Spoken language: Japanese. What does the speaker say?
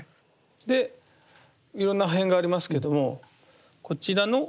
でいろんな破片がありますけどもこちらの。